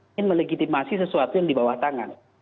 ingin melegitimasi sesuatu yang di bawah tangan